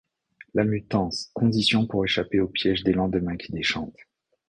La mutance, condition pour échapper aux pièges des lendemains qui déchantent.